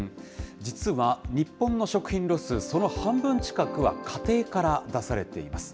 実は日本の食品ロス、その半分近くは家庭から出されています。